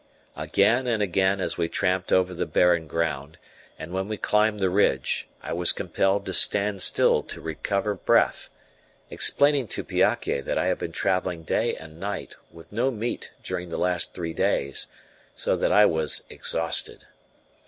Again and again as we tramped over the barren ground, and when we climbed the ridge, I was compelled to stand still to recover breath, explaining to Piake that I had been travelling day and night, with no meat during the last three days, so that I was exhausted.